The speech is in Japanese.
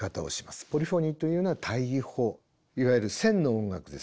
ポリフォニーというのは対位法いわゆる線の音楽です。